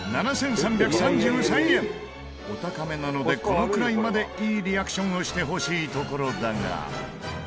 お高めなのでこのくらいまでいいリアクションをしてほしいところだが。